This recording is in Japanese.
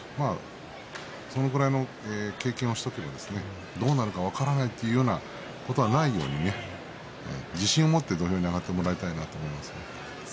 それぐらいの経験をした方がどうなるか分からないというようなことはないように自信を持って土俵に上がってもらいたいなと思います。